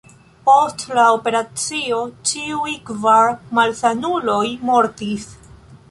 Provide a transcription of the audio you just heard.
Post la operacio ĉiuj kvar malsanuloj mortis.